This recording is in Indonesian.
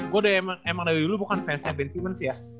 gue emang dari dulu bukan fans nya ben simmons ya